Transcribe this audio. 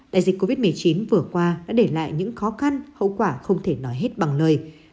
đại dịch covid một mươi chín vừa qua đã để lại những khó khăn hậu quả không thể nói hết bằng lời